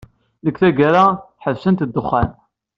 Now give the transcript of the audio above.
Deg tgara, ḥebsent ddexxan.